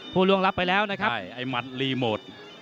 ผู้ล่วงรับไปแล้วนะครับไอ้หมัดรีโมท